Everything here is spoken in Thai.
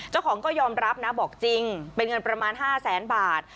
เจ้าของก็ยอมรับนะบอกจริงเป็นเงินประมาณ๕แสนบาท